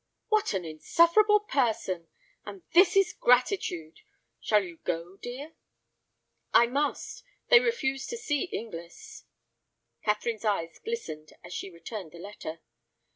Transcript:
"What an insufferable person. And this is gratitude! Shall you go, dear?" "I must. They refuse to see Inglis." Catherine's eyes glistened as she returned the letter.